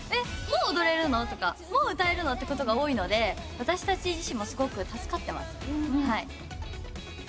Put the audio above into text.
もう踊れるの？」とか「もう歌えるの？」ってことが多いので私たち自身もすごく助かってます。